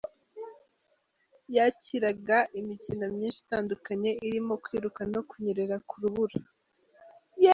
Yakiraga imikino myinshi itandukanye irimo kwiruka no kunyerera ku rubura.